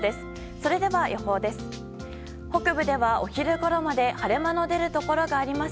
それでは、予報です。